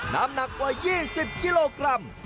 น้ำหนักกว่า๒๐กิโลกรัม